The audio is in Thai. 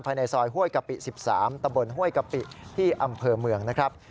ภายในซอยห้วยกะปิ๑๓ตะบนห้วยกะปิที่อำเภอเมืองนะครับ